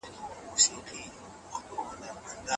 په حوصله